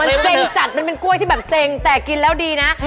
มันเซ็งจัดมันเป็นกล้วยที่แบบเซ็งแต่กินแล้วดีนะ